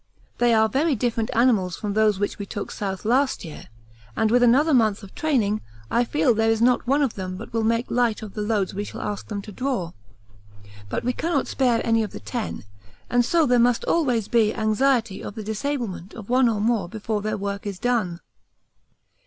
They are very different animals from those which we took south last year, and with another month of training I feel there is not one of them but will make light of the loads we shall ask them to draw. But we cannot spare any of the ten, and so there must always be anxiety of the disablement of one or more before their work is done.